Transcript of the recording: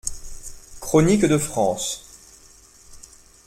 =Chroniques de France.